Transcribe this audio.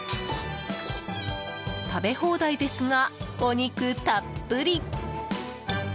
食べ放題ですが、お肉たっぷり。